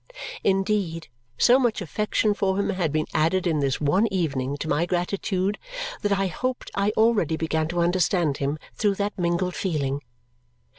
Indeed, so much affection for him had been added in this one evening to my gratitude that I hoped I already began to understand him through that mingled feeling.